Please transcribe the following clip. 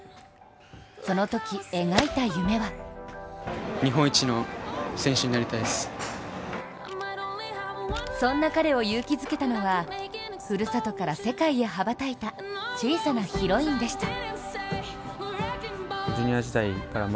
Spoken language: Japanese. そのとき描いた夢はそんな彼を勇気づけたのはふるさとから世界へ羽ばたいた小さなヒロインでした。